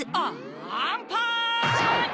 アンパンチ！